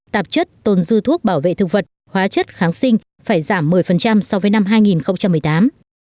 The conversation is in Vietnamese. tạp chất tồn dư thuốc bảo vệ thực vật hóa chất kháng sinh phải giảm một mươi so với năm hai nghìn một mươi tám